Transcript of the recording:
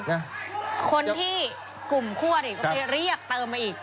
คนที่กลุ่มคู่อริก็ไปเรียกเติมมาอีก